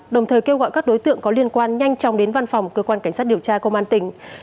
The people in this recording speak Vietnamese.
đồng thời kêu gọi các đối tượng có liên quan nhanh chóng đến văn phòng cơ quan cảnh sát điều tra công an tỉnh